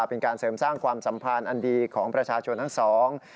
เป็นการเสริมสร้างความสัมพันธ์อันดีของประชาชนทั้งสอง